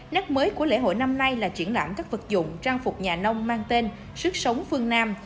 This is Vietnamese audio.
nét mới của lễ hội năm nay là triển lãm các vật dụng trang phục nhà nông mang tên sức sống phương nam